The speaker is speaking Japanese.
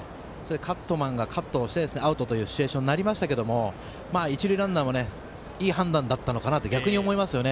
カットマンがカットをしてアウトというシチュエーションになりましたけど一塁ランナーもいい判断だったと思いますね。